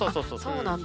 あそうなんだ。